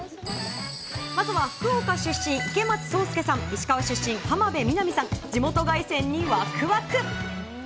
まずは福岡出身、池松壮亮さん、石川出身、浜辺美波さん、地元凱旋にわくわく。